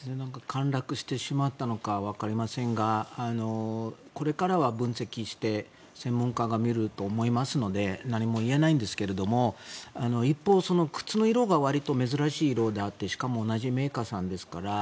陥落してしまったのかわかりませんがこれからは分析して専門家が見ると思いますので何も言えないんですが一方、その靴の色がわりと珍しい色であってしかも同じメーカーさんですから。